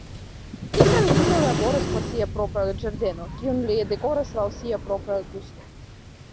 Ri trankvile laboras por sia propra ĝardeno, kiun li dekoras laŭ sia propra gusto.